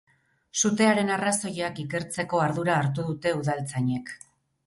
Sutearen arrazoiak ikertzeko ardura hartu dute udaltzainek.